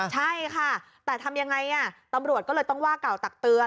ใช่ค่ะแต่ทำยังไงตำรวจก็เลยต้องว่ากล่าวตักเตือน